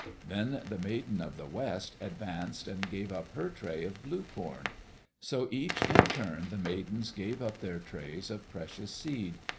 Then the Maiden of the West advanced and gave up her tray of blue corn. So each in turn the Maidens gave up their trays of precious seed.